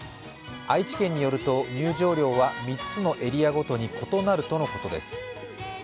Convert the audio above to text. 愛知県によると入場料は３つのエリアごとに異なるということです。